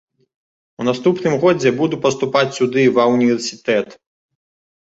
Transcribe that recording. У наступным годзе буду паступаць сюды ва ўніверсітэт.